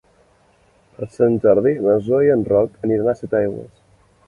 Per Sant Jordi na Zoè i en Roc aniran a Setaigües.